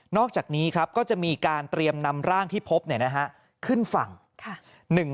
อกจากนี้ครับก็จะมีการเตรียมนำร่างที่พบขึ้นฝั่ง